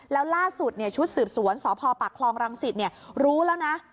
แล้วล่าสุดเนี่ยชุดสืบสวนสพปคลองรังศิษฐ์เนี่ยรู้แล้วนะ